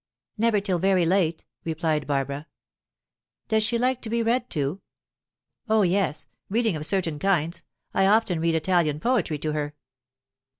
"Never till very late," replied Barbara. "Does she like to be read to?" "Oh yes reading of certain kinds. I often read Italian poetry to her."